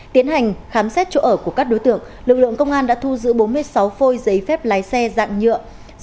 tiến hành khám xét chỗ ở của các đối tượng lực lượng công an đã thu giữ bốn mươi sáu phôi giấy phép lái xe dạng nhựa